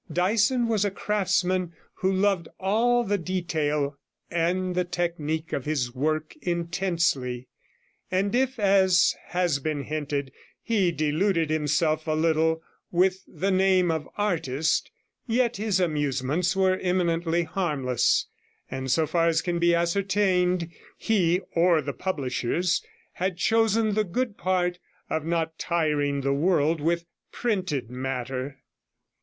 Dyson was a craftsman who loved all the detail and the technique of his work intensely; and if, as has been hinted, he deluded himself a little with the name of artist, yet his amusements were eminently harmless, and, so far as can be ascertained, he (or the publishers) had chosen the good part of not tiring the world with printed matter.